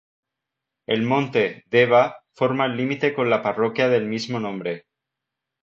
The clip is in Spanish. El monte "Deva" forma el límite con la parroquia del mismo nombre.